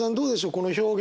この表現。